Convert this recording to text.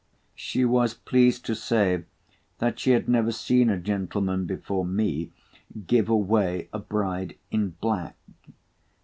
She was pleased to say that she had never seen a gentleman before me give away a bride in black.